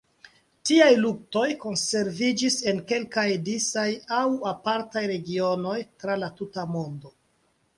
Tiaj luktoj konserviĝis en kelkaj disaj aŭ apartaj regionoj tra la tuta mondo.